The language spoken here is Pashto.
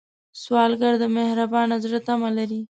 سوالګر د مهربان زړه تمه لري